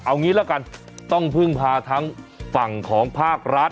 เอางี้ละกันต้องพึ่งพาทั้งฝั่งของภาครัฐ